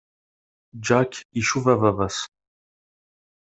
Jack icuba baba-s.